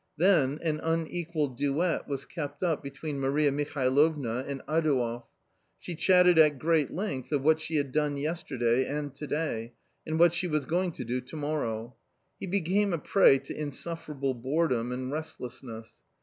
Then an unequal duet was kept up between Maria Mihalovna and Adouev ; she chatted at great length of what she had done yesterday and to day and what she was going to do to morrow. He be came a prey to insufferable boredom and restlessness.